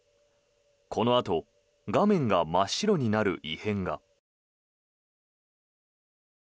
このあと画面が真っ白になる異変が。